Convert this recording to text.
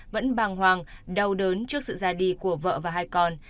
vẫn bàng hoàng đau đớn trước sự ra đi của vợ và hai con